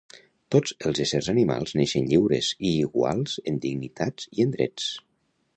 Tots els éssers animals neixen lliures i iguals en dignitat i en drets.